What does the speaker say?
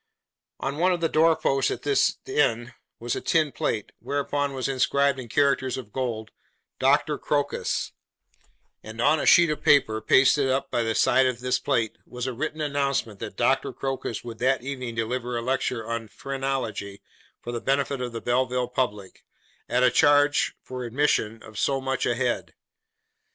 On one of the door posts at this inn, was a tin plate, whereon was inscribed in characters of gold, 'Doctor Crocus;' and on a sheet of paper, pasted up by the side of this plate, was a written announcement that Dr. Crocus would that evening deliver a lecture on Phrenology for the benefit of the Belleville public; at a charge, for admission, of so much a head.